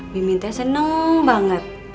mimin teh seneng banget